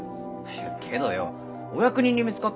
けどよお役人に見つかったらどうする？